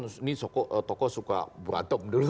ini toko suka berantem dulu